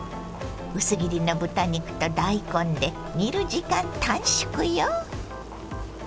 薄切りの豚肉と大根で煮る時間短縮よ。